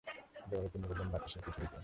জবাবে তিনি বললেন, বাতাসের পিঠের উপর।